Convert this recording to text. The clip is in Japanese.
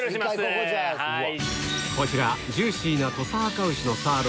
こちらジューシーな３００ｇ